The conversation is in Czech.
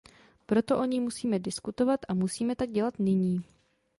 Proto o ní musíme diskutovat a musíme tak dělat nyní.